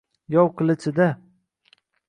Yov qilichida